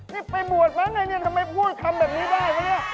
นี่ไปบวชมาเนี่ยทำไมพูดคำแบบนี้ได้ไหมเนี่ย